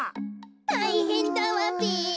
たいへんだわべ。